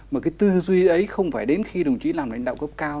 mà cái tư duy ấy không phải đến khi đồng chí làm lãnh đạo cấp cao